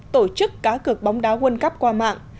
tổ chức cá cược bóng đá world cup qua mạng